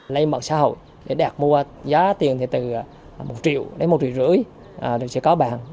lấy mặt xã hội để đạt mua giá tiền từ một triệu đến một triệu rưỡi thì sẽ có bàn